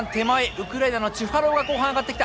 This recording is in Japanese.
ウクライナのチュファロウが後半上がってきた！